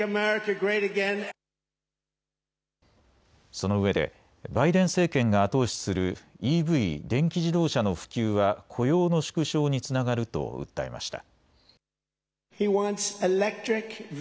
そのうえでバイデン政権が後押しするＥＶ・電気自動車の普及は雇用の縮小につながると訴えました。